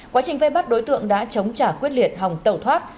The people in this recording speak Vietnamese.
quá trình vây bắt đối tượng đã chống trả quyết liệt hòng tẩu thoát